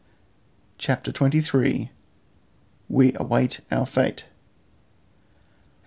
CHAPTER TWENTY THREE. WE AWAIT OUR FATE.